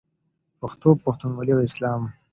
پښتو، پښتونولي او اسلام.